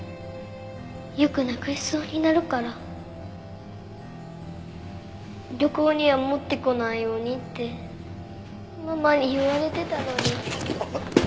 よくなくしそうになるから旅行には持ってこないようにってママに言われてたのに。